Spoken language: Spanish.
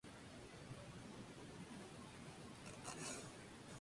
Cuando se administra oralmente, no transcurre mucho tiempo hasta que pasa a la sangre.